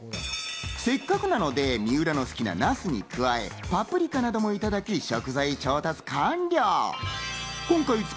せっかくなので水卜の好きなナスに加え、パプリカなども頂き、食材調達完了。